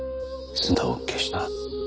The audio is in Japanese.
姿を消した。